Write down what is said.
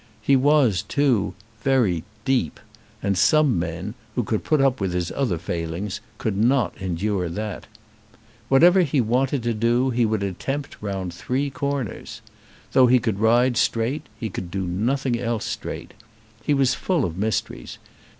He was, too, very "deep", and some men, who could put up with his other failings, could not endure that. Whatever he wanted to do he would attempt round three corners. Though he could ride straight, he could do nothing else straight. He was full of mysteries.